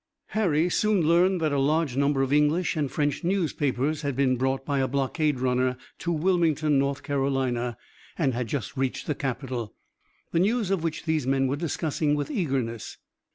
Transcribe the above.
Harry soon learned that a large number of English and French newspapers had been brought by a blockade runner to Wilmington, North Carolina, and had just reached the capital, the news of which these men were discussing with eagerness.